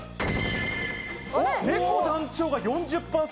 ねこ団長が４０％。